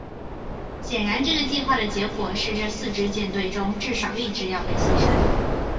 显然这个计划的结果是这四支舰队中至少一支要被牺牲。